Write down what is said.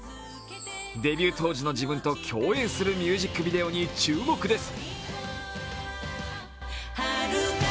デビュー当時の自分と共演するミュージックビデオに注目です。